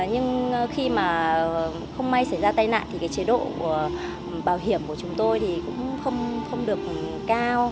nhưng khi mà không may xảy ra tai nạn thì cái chế độ bảo hiểm của chúng tôi thì cũng không được cao